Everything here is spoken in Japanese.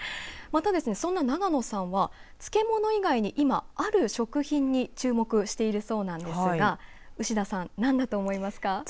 また、そんな永野さんは漬物以外に今ある食品に注目しているそうなんですが牛田さん何だと思いますか。